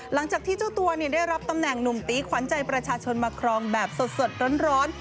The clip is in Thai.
หลังจากที่เจ้าตัวได้รับตำแหน่งหนุ่มตีขวัญใจประชาชนมาครองแบบสดร้อน